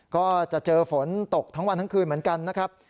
ก็จะเจอฝนตกทั้งวันทั้งคืนเหมือนกันนะครับ